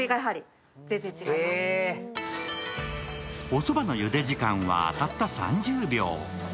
おそばのゆで時間はたった３０秒。